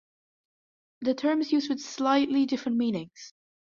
The term is used with slightly different meanings.